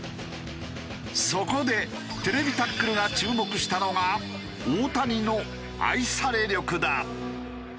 そこで『ＴＶタックル』が注目したのが大谷の愛され力だ。